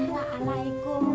om bimba alaikum